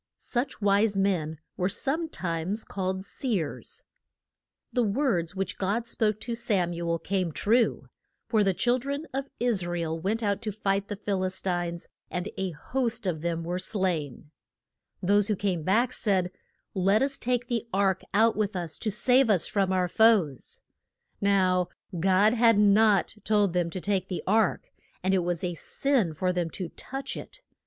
Such wise men were some times called seers. The words which God spoke to Sam u el came true; for the chil dren of Is ra el went out to fight the Phil is tines, and a host of them were slain. Those who came back said, Let us take the ark out with us to save us from our foes. [Illustration: CAP TURE OF THE ARK.] Now God had not told them to take the ark, and it was a sin for them to touch it.